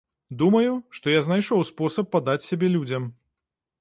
Думаю, што я знайшоў спосаб падаць сябе людзям.